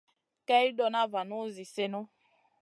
Kay ɗona vanu zi sèhnu.